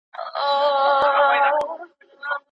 د قانون عملي کول په ټولو لازم دي.